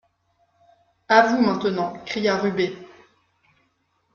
A vous maintenant, cria Rubé.